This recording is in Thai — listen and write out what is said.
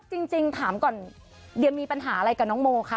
จริงถามก่อนเดียมีปัญหาอะไรกับน้องโมคะ